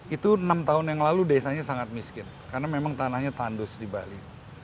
itu enam tahun yang lalu desanya sangat miskin karena memang tanahnya tandus di bali